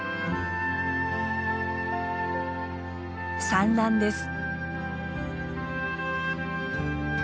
産卵です。